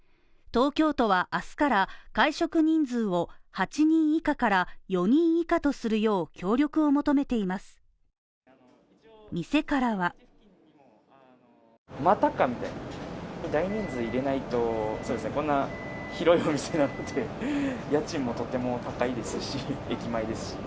東京都は、明日から会食人数を８人以下から４人以下とするよう協力を求めています。